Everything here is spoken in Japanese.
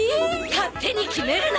勝手に決めるな！